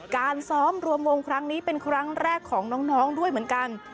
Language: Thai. การซ้อมรวมวงครั้งนี้เป็นครั้งแรกของน้องด้วยเหมือนกัน